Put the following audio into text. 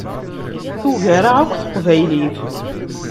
Tugar-aɣ akk Teqbaylit!